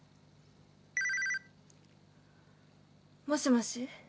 もしもし？